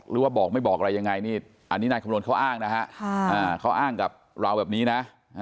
ว่าบอกไม่บอกอะไรยังไงนี่อันนี้นายคำนวณเขาอ้างนะฮะเขาอ้างกับเราแบบนี้นะ